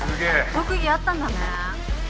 特技あったんだね。